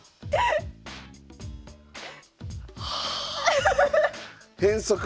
はあ！